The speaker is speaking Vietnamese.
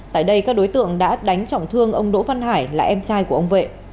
tại đây các đối tượng đã đánh trọng thương ông đỗ văn hải là em trai của ông vệ